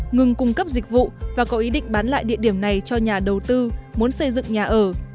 ngừng cung cấp dịch vụ và có ý định bán lại địa điểm này cho nhà đầu tư muốn xây dựng nhà ở